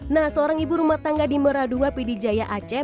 nah seorang ibu rumah tangga di meradua pd jaya aceh